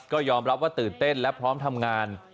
ก็ยอมรับว่าตื่นเต้นและพร้อมทำงาน